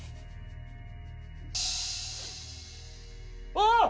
あっ！